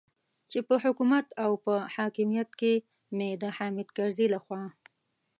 چې په حکومت او په حاکمیت کې مې د حامد کرزي لخوا.